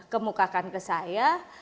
kemukakan ke saya